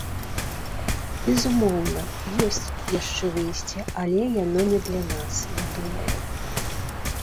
Безумоўна, ёсць яшчэ выйсце, але яно не для нас, я думаю.